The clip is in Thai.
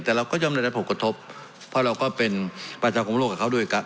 แต่เราก็ย่อมได้รับผลกระทบเพราะเราก็เป็นประชาคมโลกกับเขาด้วยกัน